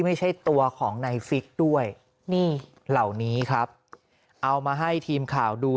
ไม่ใช่ตัวของในฟิกด้วยนี่เหล่านี้ครับเอามาให้ทีมข่าวดู